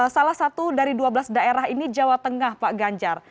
salah satu dari dua belas daerah ini jawa tengah pak ganjar